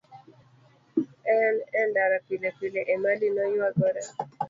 En e ndara pilepile, Emali noyuagore.